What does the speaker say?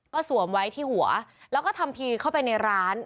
ก็สวมไว้ที่หัวแล้วก็ทำทีเข้าไปในร้าน